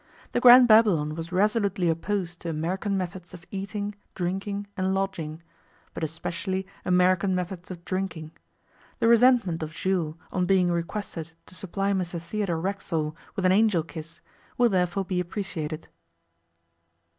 The Grand Babylon was resolutely opposed to American methods of eating, drinking, and lodging but especially American methods of drinking. The resentment of Jules, on being requested to supply Mr Theodore Racksole with an Angel Kiss, will therefore be appreciated.